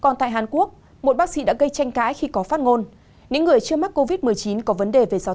còn tại hàn quốc một bác sĩ đã gây ra tranh cãi khi có phát ngôn